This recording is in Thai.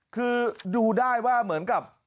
คือดูได้ว่าเหมือนกับ